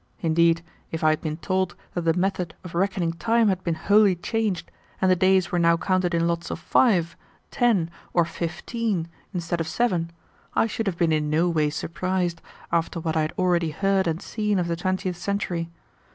Indeed, if I had been told that the method of reckoning time had been wholly changed and the days were now counted in lots of five, ten, or fifteen instead of seven, I should have been in no way surprised after what I had already heard and seen of the twentieth century.